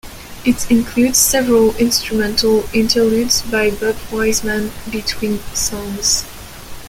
It includes several instrumental interludes by Bob Wiseman between songs.